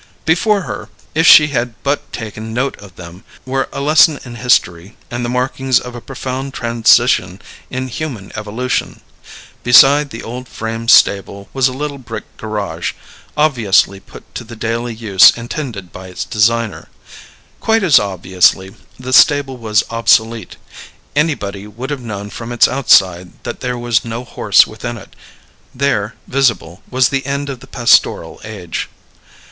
Before her, if she had but taken note of them, were a lesson in history and the markings of a profound transition in human evolution. Beside the old frame stable was a little brick garage, obviously put to the daily use intended by its designer. Quite as obviously the stable was obsolete; anybody would have known from its outside that there was no horse within it. There, visible, was the end of the pastoral age.